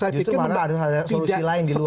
justru mana ada solusi lain di luar